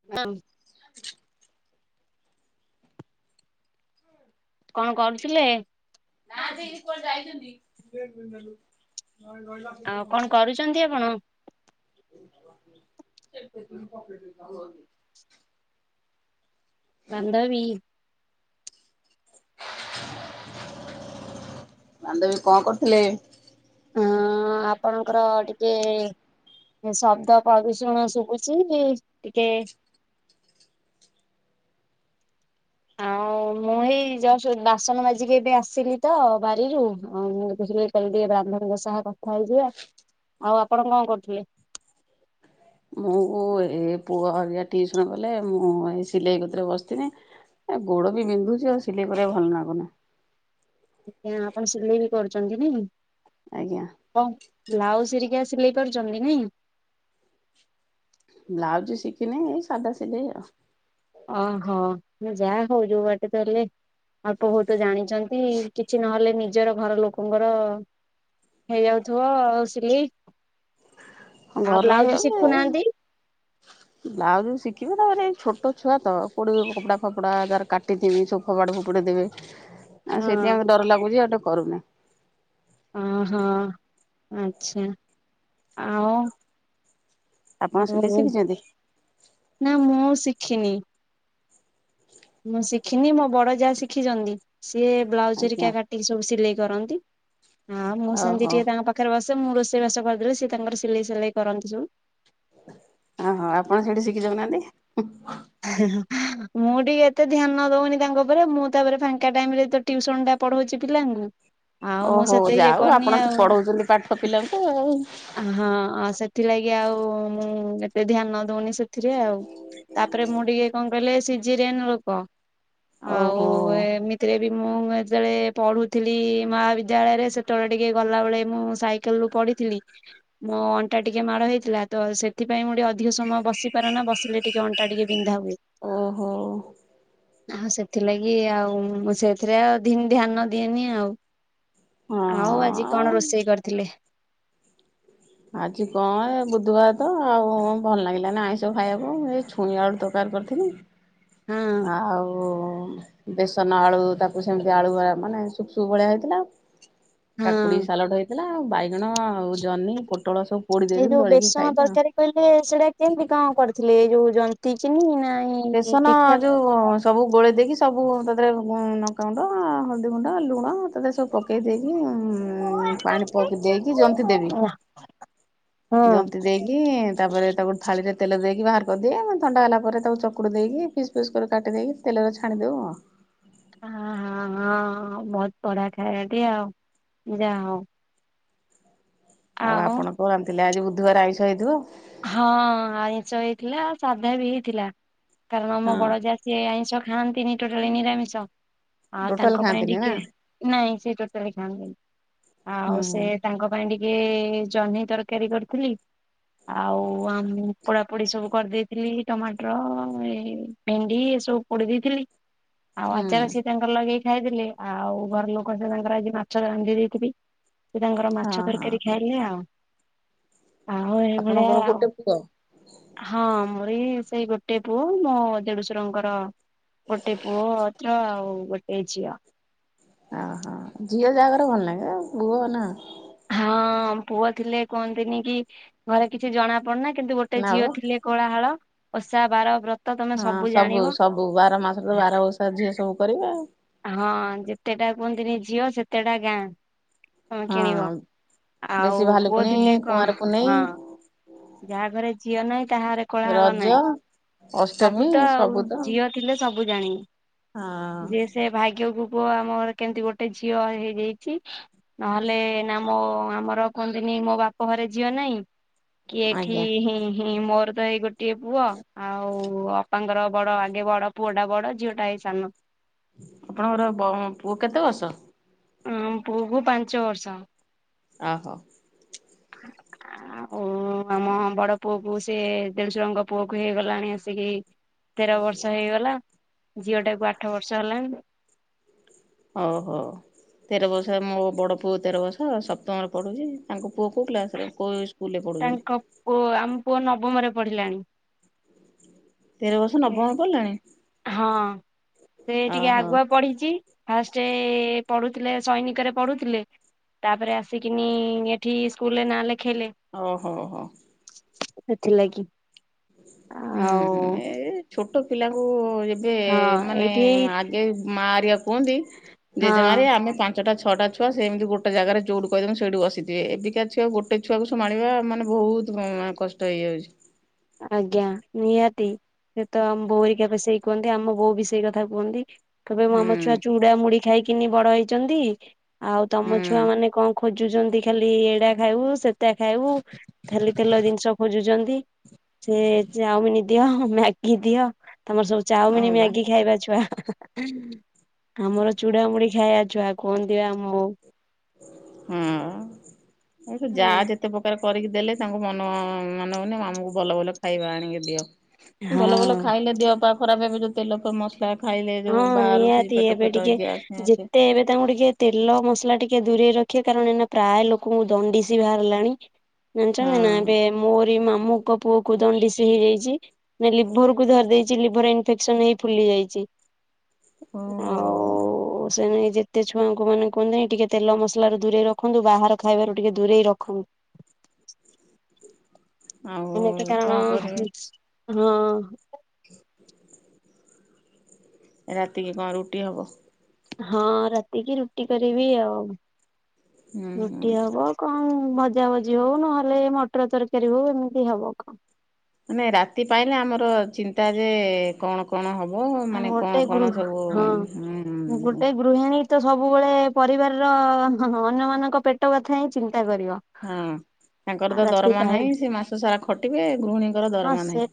[unintelligible] [inaudible] କଣ କରୁଥିଲେ? [unintelligible] ଆଉ କଣ କରୁଛନ୍ତି ଆପଣ? [unintelligible] ବାନ୍ଧବୀ। ବାନ୍ଧବୀ କଣ କରୁଥିଲେ? ଅ ଆପଣଙ୍କର ଟିକେ ଶବ୍ଦ ପ୍ରଭୂଷଣ ଶୁଭୁଛି ଟିକେ ଆଉ ମୁଁ ହେଇ ଯ ବାସନ ବାଜିକି ଏବେ ଆସିଲି ତ ବାରିରୁ ଆ ମୁଁ ଦେଖିଲି। କହିଲେ ଟିକେ ବାନ୍ଧବୀଙ୍କ ସହ କଥା ହେଇଯିବା। ଆଉ ଆପଣ କଣ କରୁଥିଲେ? ମୁଁ ଏ ପୁଅ ହରିଆ ଟିଉସନ ଗଲେ ମୁଁ ଏ ସିଲେଇ କରେ ବସିଥିଲି। ଏ ଗୋଡ ବିନ୍ଧୁଛି ଆଉ ସିଲେଇ କରିବାକୁ ଭଲ ଲାଗୁନି। ଆଜ୍ଞା ଆପଣ ସିଲେଇ ବି କରୁଛନ୍ତି ନାଇଁ। ଆଜ୍ଞା। କଣ ବ୍ଲାଉଜ ସିରିକି ସିଲେଇ ପାରୁଛନ୍ତି ନାଇଁ। ବ୍ଲାଉଜ ଶିଖିନି ଏଇ ସାଧା ସିିଲେଇ ଆଉ। ଓହୋ ମୁଁ ଯାହା ହଉ ଯୋଉ ବାଟେ ତାହେଲେ ଅଳ୍ପ ବହୁତ ଜାଣିଛନ୍ତି କିଛି ନହେଲେ ନିଜର ଘର ଲୋକଙ୍କର ହେଇଯାଉଥିବ ଆଉ ସିଲେଇ ଆଉ ଘରର ବ୍ଲାଉଜ ଶିଖୁନାହାନ୍ତି। ବ୍ଲାଉଜ୍ ଶିଖିବେ ତା ପରେ ଏଇ ଛୋଟ ଛୁଆ ତ ପୋଡ଼ିବେ କପଡ଼ା ଫପଡ଼ା ତର କାଟିଥିବି ସୋ ଫାଡ଼ ଫୁଡ଼ି ଦେବେ। ଆଉ ସେଇତି ହଁ ପାଇ ଡର ଲାଗୁଛି ଆଉଟେ କରୁନି। ଓହୋ ଆଚ୍ଛା ଆଉ। ଆପଣ ସିଲେଇ ଓ ଶିଖିଛନ୍ତି? ନା ମୁଁ ଶିଖିନି। ମୁଁ ଶିଖିନି ମୋ ବଡ ଯାହା ଶିଖିଛନ୍ତି ସିଏ ବ୍ଲାଉଜ ଆଜ୍ଞା ହରିକା କାଟ ଟିକେ ସବୁ ସିଲେଇ କରନ୍ତି ଆଉ ମୁଁ ସେମିତି ଓହୋ ଟିକେ ତାଙ୍କ ପାଖ। ଖରେ ବସେ ମୁଁ ରୋଷେଇ ବାସ କରିଦଥିଲି ସେ ତାଙ୍କର ସିଲେଇ ସିଲେଇ କରନ୍ତି ସବୁ। ଓହୋ ଆପଣ ସେଠି ଶିଖି ଯାଉନାହାନ୍ତି। ମୁଁ ଟିକେ ଏତେ ଧ୍ୟାନ ଦଉନି ତାଙ୍କ ଉପରେ ମୁଁ ତାପରେ ଫାଙ୍କା ଟାଇମ ରେ ତ ଟିଉସନ ଟା ପଢାଉଛି ପିଲାଙ୍କୁ। ଆଉ ମୁଁ ଓହୋ ସେତେ ଇଏ ଯାାଉ କରିନି ଆପଣ ତ ଆଉ। ପଢଉଛନ୍ତି ପାଠ ପିଲାଙ୍କୁ ଆଉ। ହଁ ସେଥିଲାଗି ଆଉ ମୁଁ ଏତେ ଧ୍ୟାନ ଦଉନି ସେଥିରେ ଆଉ। ତାପରେ ମୁଁ ଟିକେ କଣ କହିଲେ ସିଜିରିଆନ ଲୋକ ଆଉ ଓହୋ ଏ ରାଥିରେ ବି ମୁଁ ଯେତେବେଳେ ପଢ଼ୁଥିଲି ମହାବିଦ୍ୟାଳୟରେ ସେତେବେଳେ ଟିକେ ଗଲାବେଳେ ମୁଁ ସାଇକେଲରୁ ପଡି ଥିଲି ମୋ ଅଣ୍ଟା ଟିକେ ମାଡ଼ ହେଇଥିଲା ତ ସେଥିପାଇଁ ମୁଁ ଟିକେ ଅଧିକ ସମୟ ବସି ପାରେନା ବସିଲେ ଟିକେ ଅ ଣ୍ଟା ଟିକେ ବିନ୍ଧା ହୁଏ। ଓଃ। ଆଉ ସେଥିଲାଗି ଆଉ ମୁଁ ସେଥିରେ ଆଉ ଦିନ ଧ୍ୟାନ ଦିଏନି ଆଉ। ହଁ ଆଉ ଆଜି ଆଉ କଣ ରୋଷେଇ କରିଥିଲେ? ଆଜି କଣ ଏ ବୁଧବାର ତ ଆଉ ଭଲ ଲାଗିଲାନି ଆଇଁଷ ଖାଇବାକୁ ଏ ଛୁଇଁ ଆଳୁ ତରକାରୀ କରିଥିଲି। ହଁ ଆଉ ବେସନ ଆଳୁ ତାକୁ ସେମିତି ଆଳୁ ଭଳିଆ ମାନେ ସୁକ ସୁକ ଭଳିଆ ହେଇଥିଲା ହଁ କାକୁଡି ସାଲଡ଼ ହେଇଥିଲା ଆଉ ବାଇଗଣ ଆଉ ଜହ୍ନି, ପୋଟଳ ସବୁ ପୋଡି ଏଇ ଦେଇଥିଲୁ ଯୋଉ ଦଳିକି ବେସନ ଖାଇଲୁ ଆଉ ତରକାରୀ କହିଲେ ସେଟା କେମତି କଣ କରିଥିଲେ ଏଇ ଯୋଉ ଜନ୍ତକିନି ନା ଏଇ ବେସନ ଯୋଉ ସବୁ ଗୋଳେଇ ଦେଇକି ସବୁ ତା ଦେହରେ ଉଁ ନକାଗୁଣ୍ଡ, ହଳଦୀ ଗୁଣ୍ଡ, ଲୁଣ ତା ଦେହରେ ସବୁ ପକେଇ ଦେଇେଇକି ହଁ। ଉଁ ପାଣି ପକ ଦେଇକି ଜନ୍ତି ଦେବି। ଜନ୍ତି ହଁ ଦେଇକି ତାପରେ ତାକୁ ଥାଳିରେ ତେଲ ଦେଇକି ବାହାର କରିଦିଏ ମାନେ ଥଣ୍ଡା ହେଲା ପରେ ତାକୁ ଚକ୍ କୁଡି ଦେଇକି ପିସ୍ ପିସ୍ କରି କାଟିଦେଇକି ତେଲରେ ଛାଣି ଦେ ଆଉ। ହଁ ହଁ ହଁ ବହୁତ ବଢ଼ିଆ ଖାଇବା ଟିଏ ଆଉ ଯା ହଉ। ଆଉ ଆପଣ କଣ ରାନ୍ଧିଥିଲେ ଆଜି ବୁଧବାର ଆଇଁଷ ହେଇଥିବ? ହଁ ଆଇଁଷ ହେଇଥିଲା ଆଉ ସାଧା ବି ହେଇଥିଲା କାରଣ ଆମ ହଁ ବଡ ଯା ସିଏ ଆଇଁଷ ଖାଆନ୍ତିନି ଟୋଟାଲି ନିରାମିଷ ଆଉ ଟୋଟାଲ ତାଙ୍କ ପାଇଁ ଖାଆନ୍ତିନି ନା? ଟିକେ ନାଇଁ ସେ ଟୋଟାଲି ଖାଆନ୍ତିନି ହୁଁ ଆଉ ସେ ତାଙ୍କ ପାଇଁ ଟିକେ ଜହ୍ନି ତରକାରୀ କରିଥିଲି ଆଉ ଆମ ପୋଡାପୋଡି ସବୁ କରିଦେଇଥିଲି ଟମାଟର ଏଇ ଭେଣ୍ଡି ଏ ସବୁ ପୋଡି ଦେଇଥିଲି। ଆଉ ହୁଁ ଆଚାର ସିଏ ତାଙ୍କର ଲଗେଇି ଖାଇଦେଲେ ଆଉ ଘର ଲୋକ ସେ ତାଙ୍କର ଆଜି ମାଛ ରାନ୍ଧି ଦେଇଥିବି ସେ ତାଙ୍କର ମାଛ ହଁ ହଁ ତରକାରୀ ହଁ ଖାଇଲେ ଆଉ ଆଉ ଏଇ ଭଳିଆ ଆପଣଙ୍କର ଆଉ ଗୋଟେ ପୁଅ? ହଁ ମୋର ଏଇ ସେଇ ଗୋଟେ ପୁଅ ମୋ ଦେଢଶୁରଙ୍କର ଗୋଟେ ପୁଅ ଅତ୍ର ଆଉ ଗୋଟେ ଝିଅ। ଓହୋ ଝିଅ ଜାକର ଭଲ ନାଗେ ଆ ପୁଅ ନା ହଁ ପୁଅ ଥିଲେ କୁହନ୍ତିନି କି ଘରେ କିଛି ଜଣା ପଡୁନାଇ କିନ୍ତୁ ଗୋଟେ ନା ଝିଅ ବା ଥିଲେ କୋଳାହାଳ ଓଷା ବାର ବ୍ରତ ତମେ ହଁ ସବୁ ଜାଣିବ ସବୁ ବାର ମାସରେ ତ ବାରଓଷା ଝିଅ ସବୁ କରିବେ ଆଉ ହଁ ଯେତେଟା କୁହନ୍ତିନି ଝିଅ ସେତେଟା ଗାଁ। କଣ କିଣିବ ହଁ। ବେଶୀ ଆଉ ପୁଅ ଭାଲୁକୁଣି ଥିଲେ କୁଆଁର କଣ ପୁନେଇ ହଁ। ଯାହା ଘରେ ଝିଅ ନାହିଁ ତା ଘରେ କୋଳାହଳ ରଜ ନାହିଁ ଅଷ୍ଟମୀ ସବୁ ତ ଆଉ ସବୁ ତ ଝିଅ ଥିଲେ ସବୁ ଜାଣିବ ହଁ। ସେ ଭାଗ୍ୟକୁ କୁହ ଆମ ଘରେ କେମିତି ଗୋଟେ ଝିଅ ହେଇଯାଇଛି ନହେଲେ ନା ମୋ ଆମର କୁହନ୍ତିନି ମୋ ବାପ ଘରେ ଝିଅ ନାହିଁ କି ଏଠି ଆଜ୍ଞା ମୋର ତ ଏଇ ଗୋଟଏ ପୁଅ ଆଉ ଅପାଙ୍କର ବଡ ଆଗେ ବଡ ପୁଅଟା ବଡ ଝିଅଟା ଏଇ ସାନ। ଆପଣଙ୍କର ବ ପୁଅ କେତେ ବର୍ଷ? ଉଁ ପୁଅକୁ ପାଞ୍ଚ ବର୍ଷ। ଆ ହଉ। ଆ ଉଁ। ଆଉ ଆମ ବଡ ପୁଅ କୁ ସେ ଦେଢଶୁରଙ୍କ ପୁଅ କୁ ହେଇଗଲାଣି ଆସିକି ତେର ବର୍ଷ ହେଇଗଲା ଝିଅଟାକୁ ଆଠ ବର୍ଷ ହେଲାଣି। ଓ ହୋ। ତେର ବର୍ଷ ମୋ ବଡ଼ ପୁଅ ତେର ବର୍ଷ ସପ୍ତମରେ ପଢ଼ୁଛି ତାଙ୍କ ପୁଅ କୋଉ କ୍ଲାସରେ କୋଉ ସ୍କୁ ତାଙ୍କ ପୁଅ ଆମ ପୁଅ ନବମରେ ପଢି଼ଲାଣି। ତେର ବସ ନବମ ରେ ପଢ଼ିଲାଣି? ହଁ ସେ ଟିକେ ଓହୋ। ଆଗୁଆ ପଢିଚି ଫାଷ୍ଟ ପଢୁଥିଲେ ସୈନିକରେ ପଢୁଥିଲେ ତାପରେ ଆସିକିନି ଏଠି ସ୍କୁଲରେ ନାଁ ଲେଖାଇଲେ। ଓହୋ ହୋ। ସେଥିଲାଗି। ଆଉ ହୁଁ ଏ ଛୋଟ ପିଲା ଙ୍କୁ ଯେ ହଁ ମାନେ ଏଇଠି ଆଗେ ମା ଆରିକା କୁହନ୍ତି ହଁ ଜେଜେମା ଏରିକା ଆମେ ପା ଞ୍ଚଟା ଛଅଟାଛୁଆ ସେମିତି ଗୋଟେ ଜାଗାରେ ଯଉଠୁ କହିଦେଉ ସେଇଠୁ ବସିଥିବେ। ଏବେକା ଛୁଆ ଗୋଟେ ଛୁଆକୁୁ ସମାଣିବା ମାନେ ବହୁତ ତୁ ମ କଷ୍ଟ ହେଇଯାଉଚି। ଆଜ୍ଞା ନିହାତି ସେ ତ ଆମ ବୋଉହେରିକା ପା ସେଇ କୁହନ୍ତି ଆମ ବୋଉ ବି ସେଇ କଥା କୁହନ୍ତି। କବେ ହୁଁ ଆମ ଛୁଆ ଚୁଡା ମୁୁଡି ଖାଇକିନି ବଡ ହେଇଚନ୍ତି ଆଉ ତମ ହୁଁ ଛୁଆ ମାନେ କଣ ଖୋଜୁଚନ୍ତି ଖାଲି ଏଡା ଖାଇବୁ ସେଟା ଖାଇବୁ ଖାଲି ତେଲ ଜିନିଷ ଖୋଜୁଚନ୍ତି। ସେ ଚାଉମିନ ଦିଅ ମ୍ୟାଗି ଦିଅ। ତମର ସବୁ ଚାଉମିନ ହଁ ବା ମ୍ୟାଗି ଖାଇବା ଛୁଆ ଆମର ଚୁଡାମୁଡି ଖାଇଆ ଛୁଆ କୁହନ୍ତି ଆମ ବୋଉ। ହଁ ଏ ଯା ଯେ ତେ ପ୍ରକାର କରିକି ଦେଲେ ତାଙ୍କୁ ମନ ମନଉନି ଆମକୁ ଭଲ ଭଲ ଖାଇବା ଆଣିକି ଦିଅ। ହଁ ଭଲ ଭଲ ଖାଇଲେ ଦେହ ପା ଖରାପ ହେବେ ଯୋଉ ତେଲ ମସଲା ଖାଇଲେ। ହଁ ଯୋଉ ବାହାରୁଛି ନିହାତି ପେଟ ଏବେ ଫେଟ ଟିକେ ଗ୍ୟାସ୍ ଫ୍ୟାସ୍ ଯେତେ ଏବେ ତାଙ୍କୁ ଟିକେ ତେଲ ମସଲା ଟିକେ ଦୂରେଇ ରଖିବେ କାରଣ ଏଇନା ପ୍ରାୟ ଲୋକଙ୍କୁ ଦଣ୍ଡିଶି ବାହାରିଲାଣି। ଜାଣିଚନ୍ତି ନା ଏବେ ହଁ ମୋରି ମାମୁଙ୍କ ପୁଅ କ ଦଣ୍ଡି ସେ ହେଇଯାଇଛି ନା ଲିଭର କୁ ଧରି ଦେଇଚି ଚି ଲିଭର ଇନଫେକ୍ସନ ହେଇ ଫୁଲି ଯାଇଚି। ଓହୋ। ସେ ନାଇ ଯେତେ ଛୁଆଙ୍କୁ ମାନେ କୁହନ୍ତିନି ଟିକେ ତେଲ ମସଲରୁ ଦୂରେଇ ରଖନ୍ତୁ ବାହାର ଖାଇବାରୁ ଟିକେ ଦୂରେଇ ରଖନ୍ତୁ। ଆଉ ଏତି କାରଣ କଣ ହଁ ଓ [inaudible] ରାତିକି କଣ ରୁଟି ହେବ? ହଁ ରାତିକି ରୁଟି କରିବି ଆଉ। ହୁଁ ହୁଁ। ରୁଟି ହବ- କଣ ଭଜା ଭଜି ହଉ ନହେଲେ ମଟର ତରକାରୀ ହଉ ଏମିତି ହବ କଣ। ମାନେ ରାତି ପାଇଲେ ଆମର ଚିନ୍ତା ଯେ କଣ କଣ ହବ ଆଉ ମାନେ ଗୋଟେ କଣ କଣ ଗୃହ ସବୁ ହଁ ହୁ ହୁ। ଗୋଟେ ଗୃହିଣୀ ତ ସବୁବେଳେ ପରିବାରର ଅନ୍ୟମାନାନଙ୍କ ପେଟ କଥା ହିଁ ଚିନ୍ତା କରିବ। ହଁ ତାଙ୍କର ଆଉ ତ ରାତି ଦରମା ପାହିଲେ ନାହିଁ ସେ ମାସ ସାରା ଖଟିବେ ଗୃହିଣୀଙ୍କର ହଁ ଦରମା ସେ ନାହିଁ।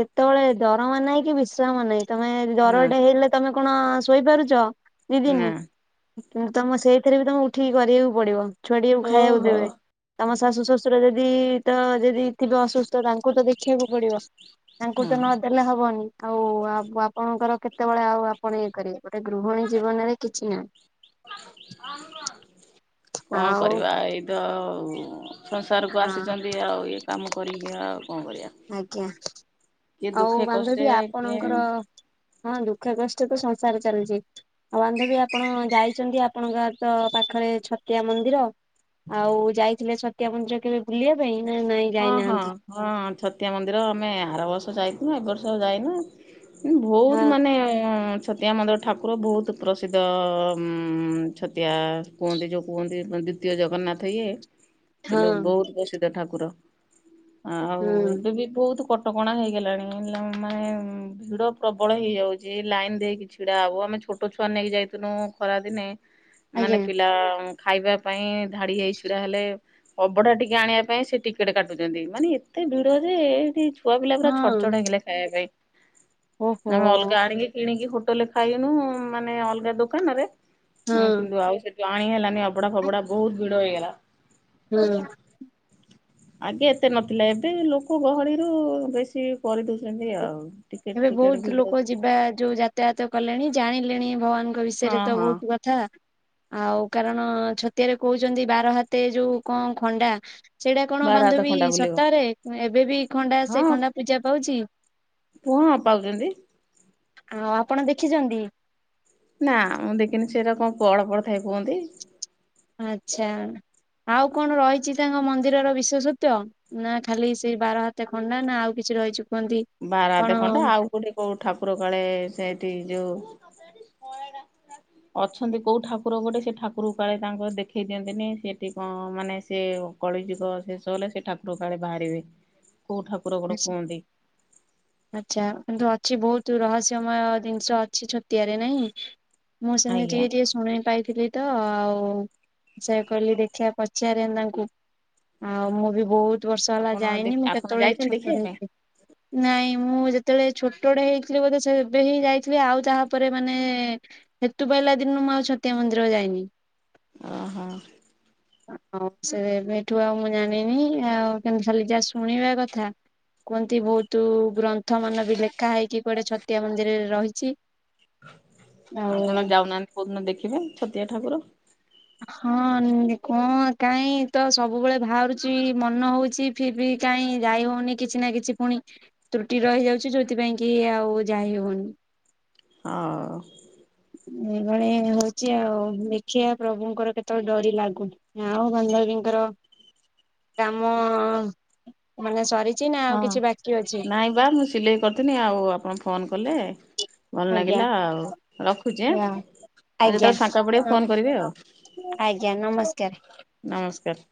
କେତେବେଳେ ଦରମା ନାହିଁ କି ବିଶ୍ରାମ ନାହିଁ ତମେ ନା ଦରଟା ହେଇଲେ ତମେ କଣ ଶୋଇପାରୁଚ ଦି ଦିନି ନା। କିନ୍ତୁ ତମ ସେଇଥିରେ ବି ତମେ ଉଠିକି କରିବାକୁ ପଡିବ ଛୁଆଟିଆକୁ ହଉ ଖାଇବାକୁ ହଉ ଦେବେ। ତମ ଶାଶୁ ଶ୍ୱଶୁର ଯଦି ତ ଯଦି ଥିବେ ଅସୁସ୍ଥ ତାଙ୍କୁ ତ ଦେଖିବାକୁ ପଡିବ। ତାଙ୍କୁ ତ ହଁ ନଦେଲେ ହବନି। ଆଉ ଆପଣଙ୍କର କେତେବେଳେ ଆଉ ଆପଣ ଇଏ କରିବେ ଗୋଟେ ଗୃହଣୀ ଜୀବନରେ କିଛି ନାହିଁ। କଣ ଆଉ କରିବା ଏଇ ତ ସଂସାରକୁ ହଁ ଆସିଚନ୍ତି ଆଉ ଇଏ କାମ କରିକି ଆଉ କଣ କରିବା। ଆଜ୍ଞା। କିଏ ଆଉ ଦୁଃଖେ କଷ୍ଟେ ବାନ୍ଧବୀ କିଏ ଆପଣଙ୍କର ହଁ ଦୁଃଖ କଷ୍ଟ ତ ସଂସାର ଚାଲିଚି। ହଉ ବାନ୍ଧବୀ ଆପଣ ଯାଇଚନ୍ତି ଆପଣଙ୍କ ତ ପାଖରେ ଛତିଆ ମନ୍ଦିର ଆଉ ଯାଇଥିଲେ ଛତିଆ ମନ୍ଦିର କେବେ ବୁଲିବା ପାଇଁ ନା ନାଇଁ ହଁ ହଁ ଯାଇନାହାନ୍ତି? ହଁ ଛତିଆ ମନ୍ଦିର ଆମେ ଆର ବର୍ଷ ଯାଇଥିନୁ ଏ ବର୍ଷ ଯାଇନୁ। ଭୋହୁତ ହଁ ମାନେ ଛତିଆ ମନ୍ଦିର ଠାକୁର ବହୁତ ପ୍ରସିଦ୍ଧ ଉମ ଛତିଆ କୁହନ୍ତି ଯେଉଁ କୁହନ୍ତି ତିଅ ଜଗନ୍ନାଥ ଇଏ [inaudible] କିନ୍ତୁ ବହୁତ ପ୍ରସିଦ୍ଧ ଠାକୁର, ଆଉ ହୁଁ ଏବେ ବି ବହୁତ କ ଟକଣା ହେଇଗଲାଣି, ମାନେ ଭିଡ ପ୍ରବଳ ହେଇଯାଉଛି, ଲାଇନ ଦେଇକି ଛିଡା ହବ, ଆମେ ଛୋଟ ଛୋଟ ଛୁଆ ନେଇି ଯାଇଥିନୁ ଖରାଦିନେ ହ [inaudible] ମାନେ ପିଲା ଖାଇବା ପାଇଁ ଧାଡି ହେଇ ଛିଡା ହେଲେ ଅବଢା ଟିକେ ଆଣିବା ପାଇଁ ସେ ଟିକ ଟିକେଟ କାଟୁଛନ୍ତି, ମାନେ ଏତେ ଭିଡ ଯେ ଏଇଠି ଛୁଆ ପିଲା ପୁରା ହଁ ଛଡଛଡ ହେଇଗଲେ ଖାଇବା ପାଇଁ ଓହୋ ଆମେ ଅଲଗା ଆଣିକି କିଣିକି ହୋଟେଲ ଖାଇନୁ ମାନେ ଅଲଗା ଦୋକାନରେ ହଁ କିନ୍ତୁ ଆଉ ସେଠୁ ଆଣି ହେଲାନି ଅଭଡା ଫବଡା ବହୁତ ଭିଡ ହେଇଗଲା। ହୁଁ। ଆଗେ ଏତେ ନଥିଲା, ଏବେ ଲୋକ ଗହଳିରୁ ବେଶୀ କରିଦଉଛନ୍ତି ଆଉ। ଟିକେଟ ଏବେ ଫିକେଟ ବହୁତ ଭିଡ ଲୋକ ଯିବା ଯୋଉ ଯାତାୟାତ କଲେଣି ଜାଣିଲେଣି ଭଗବାନଙ୍କ ହଁ ବିଷୟରେ ତ ହଁ ବହୁତ କଥା, ଆଉ କାରଣ ଛତିଆରେ କହୁଛନ୍ତି ବାର ହାତେ ଯୋଉ କଣ ଖଣ୍ଡା ସେଇଟା କଣ ବାର ହାତ ବାନ୍ଧବୀ ଖଣ୍ଡା ବୁଲିବ ସତରେ ଏବେ ବି ଖଣ୍ଡା ସେ ଖଣ୍ଡା ପୂଜା ପାଉଛି। ହଁ ପାଉଛନ୍ତି। ଆଉ ଆପଣ ଦେଖିଛନ୍ତି? ନା ମୁଁ ଦେଖିନି, ସେରା କଣ ପହଡ ପଡିଥାଏ କୁହନ୍ତି। ଆଚ୍ଛା ଆଉ କଣ ରହିଛି ତାଙ୍କ ମନ୍ଦିରର ବିଶେଷତ୍ୱ? ନା ଖାଲି ସେଇ ବାର ହାତ ଖଣ୍ଡା ନା ଆଉ କିଛି ରହିଛି କୁହନ୍ତି କଣ ବାରାଦେ ଖଣ୍ଡା ଆଉ କୋଉଠି କୋଉ ଠାକୁର କାଳେ ସେଠି ଯୋଉ [inaudible] ଅଛନ୍ତି କୋଉ ଠାକୁର ଗୋଟେ ସେ ଠାକୁର କାଳେ ତାଙ୍କ ଦେଖେଇ ଦିଅନ୍ତିନି, ସେଠି କଣ ମାନେ ସେ କଳିଯୁଗ ଶେଷ ହେଲେ ସେ ଠାକୁର କାଳେ ବାହାରିବେ, କୋଉ ଠାକୁର ଗୋଟେ କୁହନ୍ତି। ଆଚ୍ଛା କିନ୍ତୁ ଅଛି ବହୁତ ରହସ୍ୟମୟ ଜିନିଷ ଅଛି, ଛତିଆରେ ନାଇଁ। ମୁଁ ସେମିତି ଆଜ୍ଞା ଟିକେ ଟିକେ ଶୁଣି ପାଇଥିଲି ତ ଆଉ ସେଆ କୁ କହିଲି ଦେଖିଆ ପଚାରେ ତାଙ୍କୁ ଆଉ ମୁଁ ବି ବହୁତ ବର୍ଷ ହେଲା ଆପଣ ଯାଇନି, ମୁଁ ଆପଣ କେତେବେଳେ ଯାଇଛନ୍ତି ଛୋଟଟେ ଦେଖିବା ପାଇଁ? ହେଇଥିଲି, ନାଇଁ। ମୁଁ ଯେତେବେଳେ ଛୋଟଡେ ହେଇଥିଲି ବୋଧେ ସେବେ ହିଁ ଯାଇଥିଲି ଆଉ ତାପରେ ମାନେ ହେତୁ ପାଇଲା ଦିନରୁ ମୁଁ ଆଉ ଛତିଆ ମନ୍ଦିର ଯାଇନି। ଓହୋ। [unintelligible] ହଉ ସେବେଠୁ ଆଉ ମୁଁ ଜାଣିନି ଆଉ କିନ୍ତୁ ଖାଲି ଯାହା ଶୁଣିବା କଥା କୁହନ୍ତି ବହୁତ ଗ୍ରନ୍ଥ ମାନ ବି ଲେଖା ହେଇକି କୁଆଡେ ଛତିଆ ମନ୍ଦିରରେ ରହିଛି। ଆଉ ଆପଣ ଯାଉନାହାନ୍ତି କୋଉ ଦିନ ଦେଖିବେ ଛତିଆ ଠାକୁର। ହଁ କଣ କାହିଁ ତ ସବୁବେଳେ ବାହାରୁଚି ମନ ହଉଛି। ଫିର ବି କାଇଁ ଯାଇ ହଉନି କିଛି ନା କିଛି ପୁଣି ତ୍ରୁଟି ରହିଯାଉଛି, ଯୋଉଥିପାଇଁ କି ଆଉ ଯାଇ ହଉନି। ହଉ। ଏଭଳି ହଉଛି, ଆଉ ଦେଖିଆ ପ୍ରଭୁଙ୍କର କେତେବେଳେ ଡୋରି ଲାଗୁଚି ଆଉ ବାନ୍ଧବୀଙ୍କର କାମ ମାନେ ସରିଛି, ନା ଆଉ କିଛି ବାକି ଅଛି। ପା ମୁଁ ସିଲେଇ କ ଥିନି ଆଉ ଆପଣ ଫୋନ୍ କଲେ ଭଲ ଆଜ୍ଞା ଲାଗିଲା ଆଉ ରଖୁଛି ଆଁ। ଯା ଆଉ ଆଜ୍ଞା ଯେତେବେଳେ ଫାଙ୍କା ପଡିବେ ଫୋନ କରିବେ, ଆଉ ଆଜ୍ଞା ନମସ୍କାର। ନମସ୍କାର।